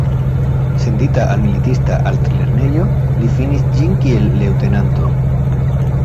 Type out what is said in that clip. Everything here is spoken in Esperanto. Sendita al militista altlernejo, li finis ĝin kiel leŭtenanto.